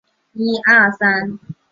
这是美国首次主动对日本本土攻击。